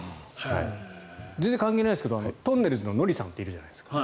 全然関係ないですけどとんねるずのノリさんっているじゃないですか。